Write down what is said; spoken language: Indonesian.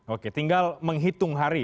oke tinggal menghitung hari